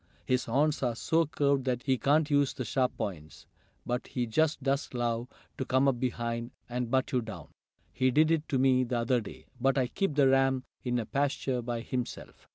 "His horns are so curved that he can't use the sharp points, but he just does love to come up behind and butt you down. He did it to me the other day. But I keep the ram in a pasture by himself."